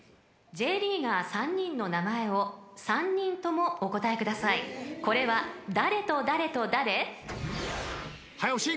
［Ｊリーガー３人の名前を３人ともお答えください］早押し。